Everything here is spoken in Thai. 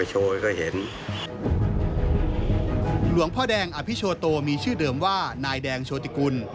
หลวงพ่อแดงอภิโชโตมีชื่อเดิมว่านายแดงโชติกุล